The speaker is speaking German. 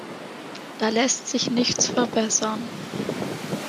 Da lässt sich nichts verbessern.